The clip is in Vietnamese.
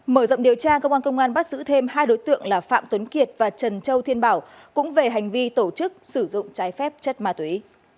mở rộng điều tra công an tp bh bắt giữ thêm hai đối tượng là phạm tuấn kiệt và trần châu thiên bảo cũng về hành vi tổ chức sử dụng trái phép chất ma túy